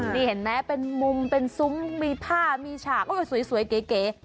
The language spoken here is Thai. นี่เห็นไหมมุมเป็นซุ้มมีภาพมีฉากโอ๊ยสวยเก๋